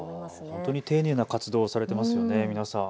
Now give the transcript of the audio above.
本当に丁寧な活動されていますよね、皆さん。